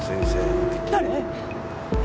誰？